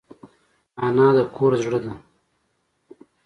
انا د کور زړه ده